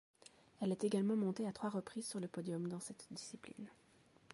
Elle est également montée à trois reprises sur le podium dans cette discipline.